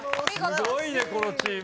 すごいねこのチーム。